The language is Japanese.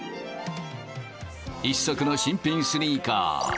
一足の新品スニーカー。